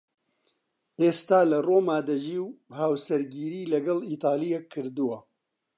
ئێستا لە ڕۆما دەژی و هاوسەرگیریی لەگەڵ ئیتاڵییەک کردووە.